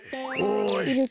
おい。